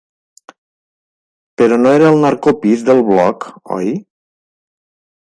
Però no era el narcopís del bloc, oi?